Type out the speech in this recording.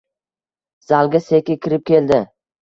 Zalga Seki kirib keldi